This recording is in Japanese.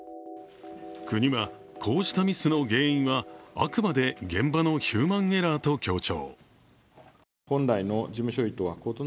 国はこうしたミスの原因はあくまで現場のヒューマンエラーと強調。